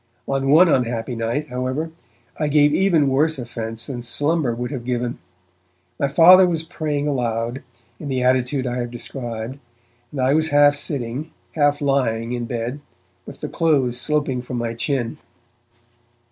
On one unhappy night, however, I gave even worse offense than slumber would have given. My Father was praying aloud, in the attitude I have described, and I was half sitting, half lying in bed, with the clothes sloping from my chin.